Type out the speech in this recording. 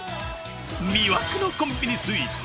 魅惑のコンビニスイーツ